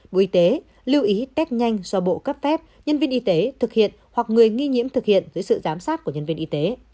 bộ y tế lưu ý test nhanh do bộ cấp phép nhân viên y tế thực hiện hoặc người nghi nhiễm thực hiện dưới sự giám sát của nhân viên y tế